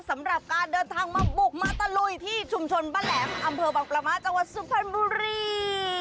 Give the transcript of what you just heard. สำหรับการเดินทางมาบุกมาตะลุยที่ชุมชนบ้านแหลมอำเภอบังประมาทจังหวัดสุพรรณบุรี